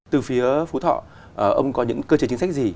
từ phía phú thọ ông có những cơ chế chính sách gì